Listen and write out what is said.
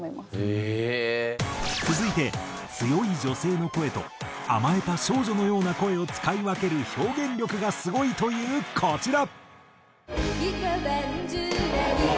続いて強い女性の声と甘えた少女のような声を使い分ける表現力がすごいというこちら。